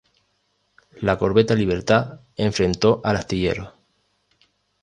La corbeta "Libertad" enfrentó al Astillero.